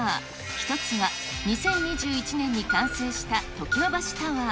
１つは２０２１年に完成した常盤橋タワー。